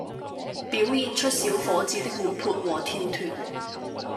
表現出小伙子的活潑和跳脫